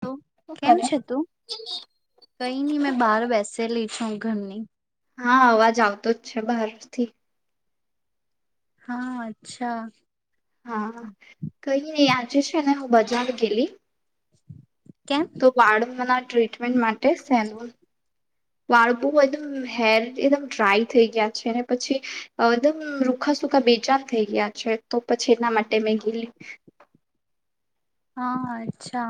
તો શું કેમ કરે? છે તું કઈ ની મેં બહાર બેસેલી છું ઘરની હા અવાજ આવતો જ છે બહાર થી હા અચ્છા હા કઈ નઈ આજે છે ને હું બજાર ગયેલી કેમ તો વાળ ના ટ્રીટમેન્ટ માટે વાળ એકદમ હેર એકદમ ડ્રાય થઈ ગયા છે ને પછી એકદમ રૂખા સુૂખા બેજ થઈ ગયા છે તો પછી એના માટે મેં ઘેલી હા અચ્છા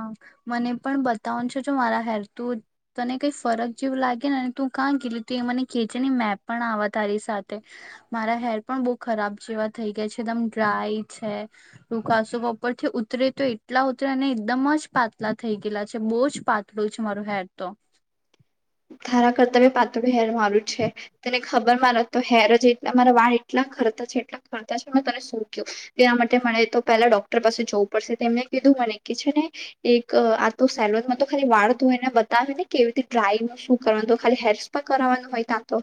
મને પણ બતાવનું છો જો મારા હેર તું તને કઈ ફરક જેવું લાગે નેને તું કાં ગલી તું એ મને કેહે છેે ને મેં પણ આ તારી સાથે મારા હેર પણ બહુ ખરાબ જેવા થઈ ગયા છે એકદમ ડ્રાય છે રકાસો ઉપરથી ઉતરે તો એટલા ઉતરીને એકદમ જ પાતલા થઈ ગયેલા છે બહુ જ પાતળું છે મારું હેર તો તારા કરતા પાતું હેર મારું છે તને ખબર મા તો હેર જ મારા વાળ એટલા ખરતા છે એટલા ખરતા છે મે તને શું ક્યું તેના માટે મને તો પેલા ડોક્ટર પાસે જવું પડશે તેમને કીધું મને કે છે ને એક આ તો સેલોનમાં તો ખાલી વાળ તોય એને બતાવે ને કેવી રીતે ડ્રાય ન શું કરવા તો ખાલી હેરસ પર કરાવવાનું હોય ત્યાં તો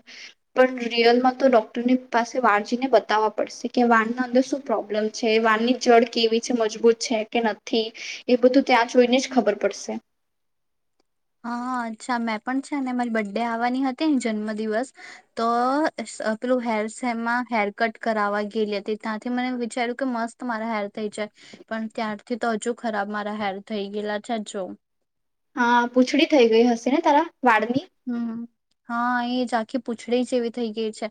પણ રિયલમાં તો ડોક્ટરની પાસે વાળ જયને બતાવવા પડશે કે વાળના અંદર શું પ્રોબ્લેમ છે વાળની જળ કેવી છે મજબૂત છે કે નથી એ બધું ત્યાં જોઈને જ ખબર પડશે હા અચ્છા મેં પણ છે ને મારી બર્ ડે આવવાની હતી જન્મ દિવસ તો પેલું હેર શેમાં હેર કટ કરાવવા ગયેલી હતી ત્યાંથી મને વિચાર્યું કે મસ્ત મારા હેર થઈ જાય પણ ત્યારથી તો હજુ ખરાબ મારા હેર થઈ ગયેલા છે જો હા પૂંછડી થઈ ગઈ હશે ને તારા વાળની હમ હા એજ આખી પૂછડી જેવી થઈ ગઈ છે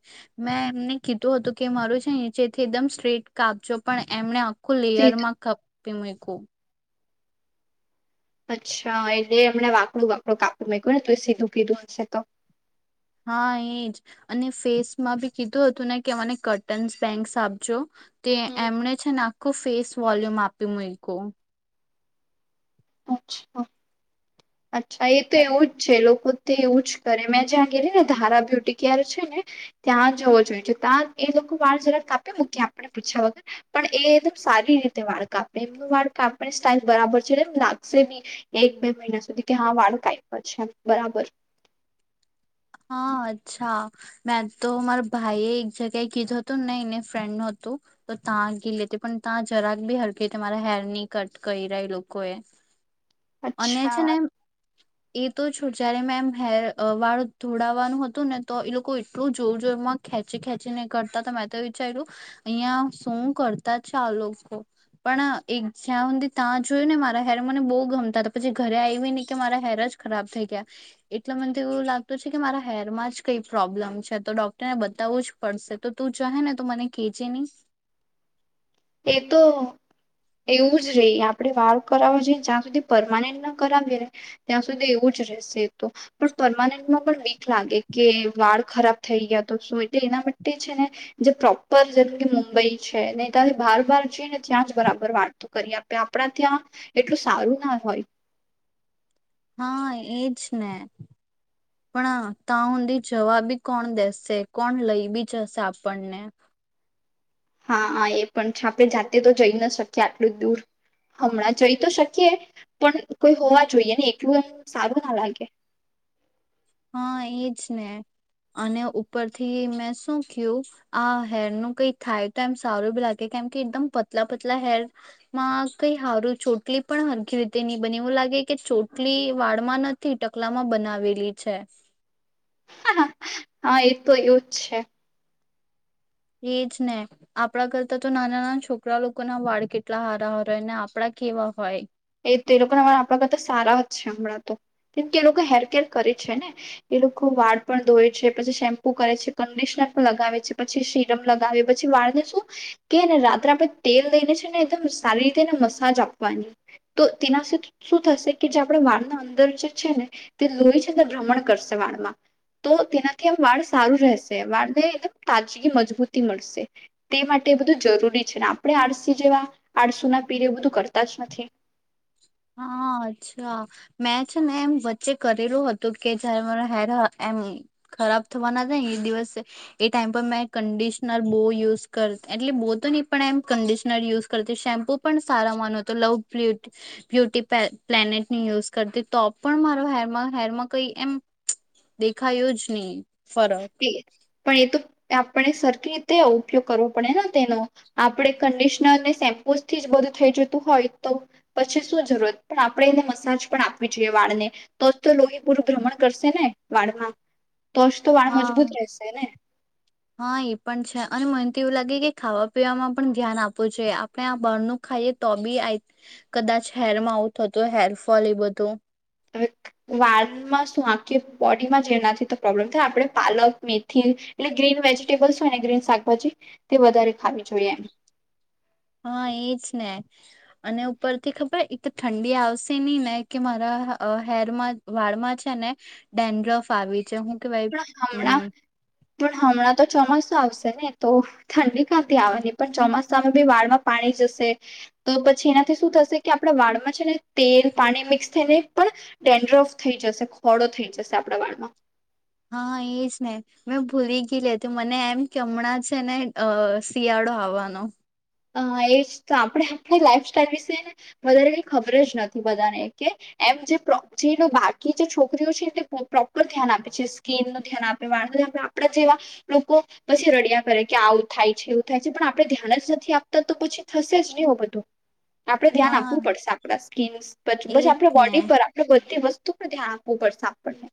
મેં એમને કીધું હતું કે મારું છે નીચેથી એકદમ સ્ટ્રેટ કાપજો પણ એમને આખુ સીધી લેયરમાં કપી મુકયું અચ્છા એટલે હમણાં વાકડું વાકડું કાપી માંક્યું ને તો સીધું કીધું હશે તો હા એજ અને ફેસમાં બી કીધું હતું ને કે અને કટન્સ બેેન્ક્સ આપજો તે હમ. એમને છે ને આખો ફેસ વોલ્યુમ આપી મ કો અચ્છા અચ્છા એ તો એવું જ છે લોકો પોતે એવું જ કરે મેં જ્યાં ગેલી ને ધારા બ્યુટી કેર છે ને ત્યાં જવો જોઈએ ત્યાં એ લોકો વાળ જરાક કાપે મૂકી આપને પીછુયા વગર પણ એ એકદમ સારી રીતે વાળ કાપે એમનું વાળ કાપની સ્ટાઈલ બરાબર છે એટલે એમ લાગશે બી એક બે મહિના સુધી કે હા વાળ કપયા છે બરાબર હા અચ્છા મેં તો મારા ભાઈએ એક જગ્યાએ કીધું હતું ને ને એને ફ્રેન્ડ હતું તો ત્યાં ગી લેતી પણ ત્યાં જરાક બી હરખી રીતે મારા હેર ની કટ કરી રહી લોકો એ અને અચ્છા છે ને એ તો છોડ જ્યારે મેમ હે વાળ થોડાવવાનું હતું ને તો એ લોકો એટલું જોર જોરમાં ખેંચી ખેંચી ને કરતા હતા મેં તો વિચાર્યું અહિયાં શું કરતા જ છે આ લોકો પણ એક જ્યાં સુધી ત્યાં જોયું ને મારા હેર મને બહુ ગમતા હતા પછી ઘરે આવી નને કે મારા હેર જ ખરાબ થઈ ગયા એટલે મને તો એવું લાગત તો છે કે મારા હેરમાં જ કઈ પ્રોબ્લેમ છે તો ડોક્ટરને બતાવવું જ પડશે તો તું ચહે ને તો મને કેજે નહીં એ તો એવું જ રહી આપણે વાળ કરાવો જોઈએ જ્યાં સુધી પરમેનેન્ટ કરાવીએ ને ત્યાં સુધી એવું જ રહેશે એ તો પણ પરમનેન્ટમાં પણ બીક લાગે કે વાળ ખરાબ થઈ ગયા તો શું એટલે એના માટે છે ને જે પ્રોપર જેમ કે મુંબઈ છે ને ત્યાં બાર બાર છે ને ત્યાં જ બરાબર વાતો કરી આપે આપણા ત્યાં એટલું સારું ના હોય હા એજ ને પણ તાં ઊંધી જવા બી કોણ દેસે કોણ લઈ બી જશે આપણને હા હા એ પણ આપણે જાતે તો જઈ ન શકીએ આટલું જ દૂર હમણાં જઈ તો શકીએ પણ કોઈ હોવા જોઈએ ને એટલું એ સારું ના લાગે હા એજ ને અને ઉપરથી મેં શું કય્યું આ હેરનું કઈ થાય તો એમ સારું બી લાગે કેમ કે એકદમ પતલા પતલા હેર માં કઈ સારું ચોટલી પણ હરખી રીતે નહી બને એવું લાગે કે ચોટલી વાળમાં નથી ટકલામાં બનાવેલી છે હા એ તો એવુંજ છે એજ ને આપણા કરતા તો નાના નાના છોકરા લોકો ના વાળ કેટલા હારાહાર હોય ને આપણા કેવા હોય એ તો એ લોકોના વાળ આપણા કરતા સારા જ હમણાં તો કેમ કે એ લોકો હેર કેર કરે છે ને એ લોકો વાળ પણ ધોવે છે પછી શેમ્પુ કરે છે કન્ડિશનર પણ લગાવે છે પછી સીરમ લગાવે પછી વાળને શું કે ને રાત્રે આપે તેલ લઈને છે ને એકદમ સારી રીતેને મસાજ આપવાની તો તેનાથી શું થશે કે જે આપણે વાળના અંદર જે છે ને તે લોહી છે ભ્રમણ કરશે વાળમાં તો તેનાથી આ વાળ સારું રહેશે વાળને એકમ તાજગી મજબૂતી મળશે તે માટે બધું જરૂરી છે ને આપણે આળસી જેવા આળસુના પીર બધું કરતા જ નથી હા અચ્છા મેં છે ને એમ વચ્ચે કરેલું હતું કે જયારે મારા હેર એમ ખરાબ થવાના હતા ને એ દિવસે એ ટાઈમ પર મેં કન્ડિશનર બહુ યુઝ કરતી એટલે બહુ તો નહી પણ એમ કડિશનર યુઝ કરતી શેમ્પુ પણ સારા માનો હતો લવુ બ્યુટી પ પ્લેનેટની યુઝ કરતી તો પણ મારો હેર હેરમાં કઈ એમ દેખાયું જ નહી ફરક પણ એ તોું આપણે સરખી રીતે ઉપયોગ કરવો પડે ને તેનો આપણે કંડિશનરને શેમ્પુ થી જ બધું થઈ જતું હોય તો પછી શું જરૂરત પણ આપણે એને મસાજ પણ આપવી જોઈએ વાળને તો જ તો લોહીપૂરું ભ્રમણ કરશે ને વાળમાં તો તો વાળ હા મજબૂત રહેશે ને હા એ પણ છે અને મને તો એવું લાગે કે ખાવા પીવાવામાં પણ ધ્યાન આપવું જોઈએ આપણે આ બહારનુંું ખાઈએ તો બી આ કદાચ હેરમાં આવું થતું હેરફોલ એ બધું હ વારમાં શું આ બોડીમાં જેનાથી તો પ્રોબ્લેમ થાય આપણે પાલક મેથી એટલે ગ્રીન વેજીિટેબલ્સ હોય ને ગ્રીન શાકભાજી તે વધારે ખાવી જોઈએ એમ હા એજ ને અને ઉપરથી ખબર એક ઠંડી આવશે નહી ને કે મારા હેરમાં વાળમાં છે ને ડેન રફ આવી છે હું કે ભાઈ હણા હમણા હમ પણ હમણાં તો ચોમાસું આવશે ને તો ઠંડી કાંથી આવેની પણ ચોમાસામાં બી વાળમાં પાણી જશે તો પછી એનાથી શું થશે કે આપણા વાળમાં છે ને તેલ પાણી મિક્સ થઈને પણ ટેન્ડ્રફ થઈ જશે ખોડો થઈ જશે આપણા વાળમાં હા એજ ને મેં ભૂલી ગય લે હતી મને એમ કેમણાં છે ને શિયાળો આવવાનો અ એજ આપણે આપણી લાઈફ સાઈલ વિશેને વધારે કઈ ખબર જ નથી બધાને કે એમ જે બાકી જે છોકરીઓ છે એને પ્રોપર ધ્યાન આપે છે સ્કીન નું ધ્યાન આપે વાણ આપણા જેવા લોકો પછી રડિયા કરે કે આવું થાય છે એવું થાય છે પણ આપણે ધ્યાન જ નથી આપ તો પછી થશે જ નહી હો બધું આપડે ધ્યાન હા આપવું પડશે આપણા સ્કીન પરછી બ એજ આપણે ને બોડી પર આપણેે બધી વસ્તુ ું પણ ધ્યાન આપવું પડશે આપણને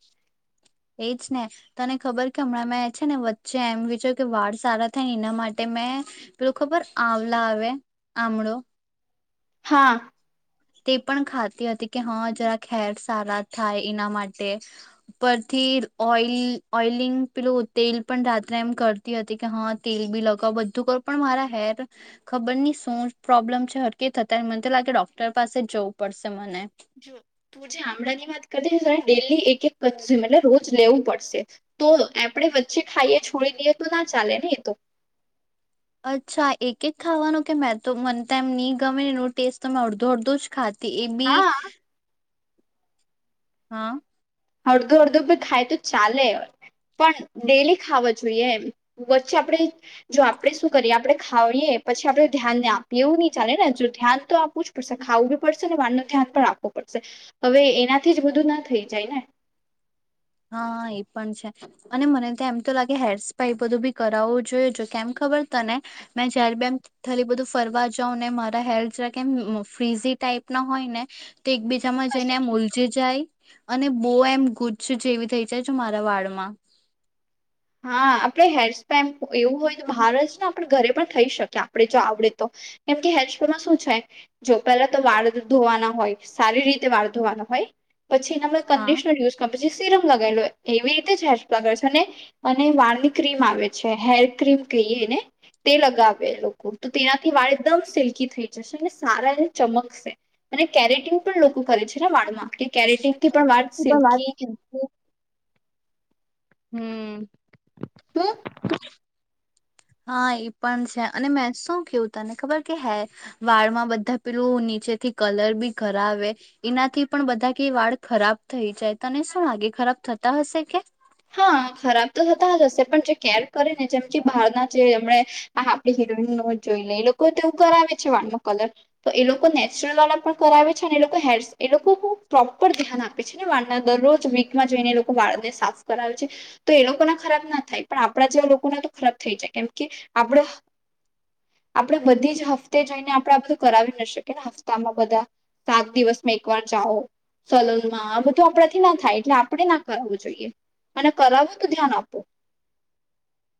એજ ને તને ખબર કે હમણાં મેં છે ને વચ્ચે એમ વિચ કે વાળ સારા થાય ને એના માટે મેં પેલો ખબર આવલા આવે આમળો હા તે પણ ખાતી હતી કે હા જરાક હેર સારા થાય એના માટે ઉપરથી ઓલ ઓઈલિંગ પેલું તેલ પણ રાત્રે એમ કરતી હતી કે હા તેલ બી લગાવ બધું કરો પણ મારા હેર ખબર નહી શું પ્રોબ્લેમ છે હરકી થતા મને તો લાગે ડોક્ટર ોક્ટર પાસે જવું પડશે મને જો તું જે આમળા ની વાત કરી ડેલી એક એક કમ એટલે રોજ લેવું પડશે તો આપણે વચ્ચે ખાઈએ છોડી દઈએ તો ના ચાલે ને એ તો અચ્છા એક જ ખાવાનું કે મેં તો મને એમ નહી ગમે એ ટેસ્ટ તો મેમે અડધો અડધો જ ખા એવી હા હા હળધો અળદો ખાય તો ચાલે પણ ડેલી ખાવા જોઈએ વચ્ચે આપણે જો આપણે શું કરીએ આપણે ખાવીએ પછી આપડે ધ્યાનને આપીએ એવું નહી ચાલે ને જો ધ્યાન તો આપવું જ પડશે ખાવું બી પડશે ને વાર ન ધ્યાન પણ આપવું પડશે હવે એનાથી જ બધું ના થઈ જાય ને હા એ પણ છે અને મને ત્યા એમ તો લાગે હેર સ્પાઈ બધું બી કરાવવું જોય જો કેમ ખબર તને મેં જયારે બી એમ થલી બધું ફરવા જાવ ને મારા હેર જરા કેમ ફ્રીઝ ટાઈપ ના હોય ને તો એકબીજામાં જઈને આમ ઉલજી જાય અને બહ એમ ગુ શું જેવી થઈ જાય મારા વાડમાં હા આપણે હેર સ્પેમ એવું હોય તો બહાર જ ને આપણે ઘરે પણ ખઈ શકીએ આપણે જો આવડે તો કેમ કે હેર સ્પેમમાં શું છે જો પેલા તો વાળ ધોવાના હોય સારી રીતે વાળ ધોવાનો હોય પછી એ હા કન્િશનર યુઝ કર પછી સીરમ લગાવી લો એવી રીતે હે લગે છે ને અને વાળની ક્રીમ આવે છે હેર ક્રીમ કહીએ ને તે લગાવે લોકો તો તેનાથી વાળ એકદમ સિલ્કી થઈ જશે અને સારા એને ચમકશે અને કેરેટિન પણ લોકો કરે છે ને વાળમાં કે કેરેટિનથી પણ છી પણ વાત વાતશેકી છે હમ [unintelligible] હા એ પણ છે અને મેં શું કેવું તને ખબર કે હે વાળમાં બધા પેલું નીચેથી કલર બી ઘરાવે એનાથી પણ બધા કે વાળ ખરાબ થઈ જાય તને શું લાગે ખરાબ થતા હશે કે હા ખરાબ તો થતા જ હશે પણ જે કેર કરીે ને જેમ કે બહાર ના જે એમણે આ હીરોઈન ન જોઈ લે એ લોકો એવું કરાવે છે વાળ નો કલર તો એ લોકો નેચરલ વાળા પણ કરાવે છે અને એ લોકો હેર એ લોકો પ્રોપર ધ્યાન આપે છે ને વાળના દરરોજ વીકમાં જઈને એ લોકો વાળને સાફ કરાવે છે તો એ લોકો ના ખરાબ ના થાય પણ આપણા જેવા લોકો ના તો ખરાબ થઈ જાય કેમ કે આપણે આપણેે બધી જ હફતે જોઈને આપણે બધું કરાવી ના શકીએને હપ્તામાં બધા સાત દિવસમાં એકવાર જાઓ સલોનમાં આ બધું આપણાથી ના થાય એટલે આપણે ના કરાવવું જોઈએ મને કરાવે તો ધ્યાન આપો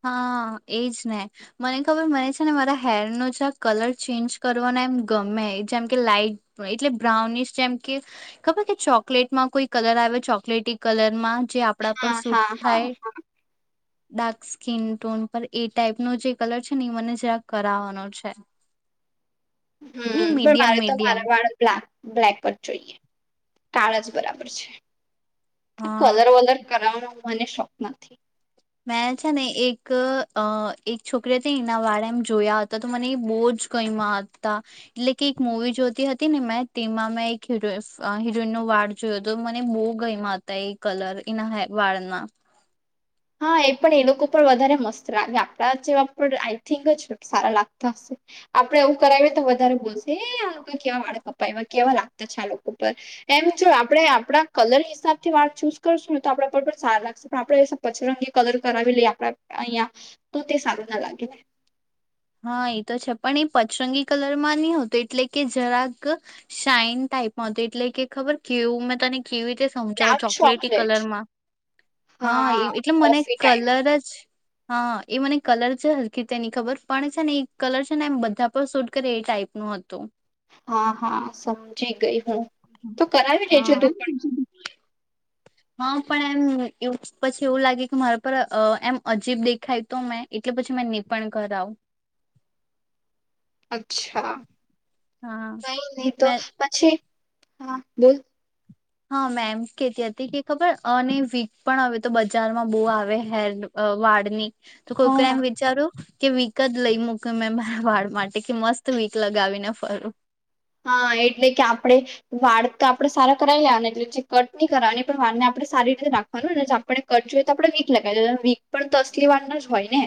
હા એજ ને મને ખબર મને છે ને મારા હેરનો છે કલર ચેન્જ કરવાના એમ ગમે જેમ કે લાાઈટ એટલે બ્રાઉનિશ જેમ કે ખબર કે ચોકલેટમાં કોઈ કલર આવે ચોકલેટી કલરમાં જે આપણા પર હા સૂટ હા હા થાય ડાક સ્કીિન ટોન પર એ ટાઈપનો જે કલર છે ને એ મને જરાક કરાવવાનો છે ની હમ પણ મીડિયમ મારે તો મીડિયમ મારા વાળ બ્લાક બ્લેકબર્ડ જોઈએ કાળા જ બરાબર છે હા કલર વલર કરા મને શોખ નથી મેં છે ને એક એક છોકરી હતી એના વાળ એમ જોયા હતા તો મને એ બહુ જ ગઈમા હતા એટલે કે એક મવી જોતી હતી ને મેં તેમાં મેં એક હરો હિરોઈનનોો વાળ જોયો હતો મને બહુ ગયમા હતા એ કલર એના વાળના હા એ પણ એ લોકો પર વધારે મસ્ત લાગે આપડા જેવા પર આઈ થિંક જ સારા લાગતા હશે આપડે એવું કરાવીએ તો વધારે બોલશે એ આ લોકો કેવા વાળ કપાવ કેવા લાગતા છે આ લોકો પર એમ જો આપડે આપણા કલર હિસાબથી વાળ ચૂઝ કરશું ને તો આપણા પર પણ સારા લાગશે પણ આપડે પછરંગી કલર કરાવી લે આપડા અહિયાં તો તે સારું ના લાગે હા એ તો છે પણ એ પચરંગી કલરમાં નહી હોતું એટલે કે જરાક શઇન ટાાઈપમાંત એટલે કે ખબર કેવું મેં તને કેવી રીતે સમજાવો આમ શોખ ચોકલેટી લે કલર છે માં હા એ એટલે મને કોફી ટાઈપ કલર જ હા એ મને કલર છે હલકી તેની ખબર પણ છે એ કલર છે ને એમ બધા પણ શૂટ કરે એ ટાઈપનુંું હતું હા, હા, સમજી ગઈ હું. તો કરાવી લેજો હા તું પણ હા પણ એમ પછી એવું લાગે કે મારા પર એમ અજીબ દેખાય તો મેં એટલે પછી મે નહી પણ કરાવું અચ્છા, કઈ નહી તો મે પછી. હા, બોલ હા. એમ કેતી હતી કે ખબર અને વીક પણ હવે તો બજારમાં બહુ આવે હેર વાળ ની તું કોઈ ક હા એમ વિચાર્યું કે વીક જ લઈ મૂક મેં મારા વાળ માટે કે મસ્ત વીક લગાવીને ફરૂ હા એટલે કે આપણે વાળ તો આપણેે સારા કરાવી લેવા એટલે જે કટ નહી કરવાની પણ વાર ને આપણે સારી રીતે રાખવાનું ને આપણે કટ જોઈએ તો આપણેે વીક લગાવીએ વીક પણ તો અસલી વારના જ હોય ને.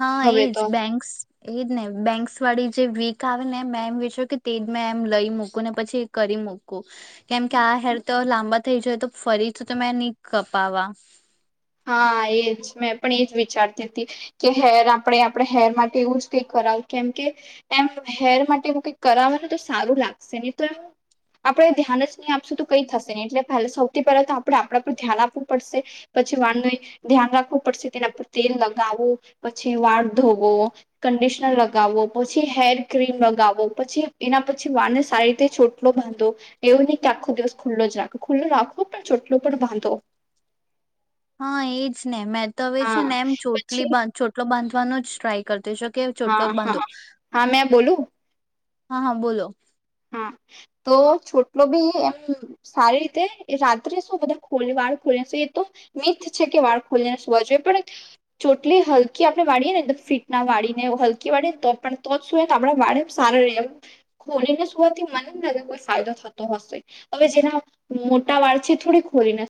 હા. હવે એજ તો બેન્ક્સ એજ ને બેન્ક્સ વાળી જે વીક આવે ને મેં એમ વિચાર્યું કે તે જ મેં એમ લઈ મૂકું ને પછી કરી મૂકું કેમ કે આ હેર તો લાંબા થઈ જાય તો ફરીથી તો મેં નહી કપાવા. હા એજ મેં પણ એજ વિચારતી હતી કે હેર આપણે આપણે હેર માટે એવું જ કઈ કરાવ કેમ કે એમ હેર માટે એવું કઈક કરાવે ને તો સારું લાગશે નહી તો એમ આપણે ધ્યાન જ નહી આપશું તો કઈ થશે નહી એટલે સૌથી પહેલા તો આપણે આપણા પર ધ્યાન આપવું પડશે. પછી વાળનું ધ્યાન રાખવું પડશે તેના પર તેલ લગાવો પછી વાળ ધોવો કન્ડિશનર લગાવો પછી હેર ક્રીમ લગાવો પછી એના પછી વાળને સારી રીતે ચોટલો બાંધો એવું નહી કે આખો દિવસ ખુલ્લાજ રાખો ખુલ્લા રાખો પણ ચોટલો પણ બાંધો. હા. એજ ને મે હવે છે. હા ને એમ જ પછી ચોટલો બાંધો જ ટ્રાય કરતી જ છે. કે હા, ચોટલો હા, હા, મેં બોલું. હા, હા, બોલો. હા તો ચોટલો બી એમ સારી રીતે રાત્રે શું બધા ખોલી વાળ ખોલીને એ તો મીથ છે કે વાળ ખોલીને સુવા જોઈએ પણ ચોટલી હલકી આપણે વાળીએ ને ફીટ ના વાળી ને હલકી વાળીને તો પણ તો જ શું ને આપ વાળ એમ સારા ખોલીને. થી મને કોઈ ફાયદો થતો હશે હવે જેના મોટા વાર છે થોડી ખોલીને